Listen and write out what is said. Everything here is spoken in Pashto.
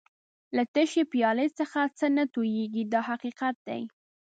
له تشې پیالې څخه څه نه تویېږي دا حقیقت دی.